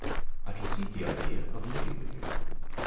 I conceived the idea of living with him.